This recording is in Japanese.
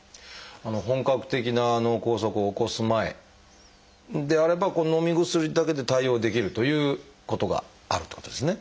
本格的な脳梗塞を起こす前であればのみ薬だけで対応できるということがあるってことですね。